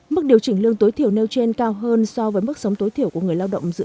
mức điều chỉnh lương tối thiểu nêu trên cao hơn so với mức sống tối thiểu của người lao động dự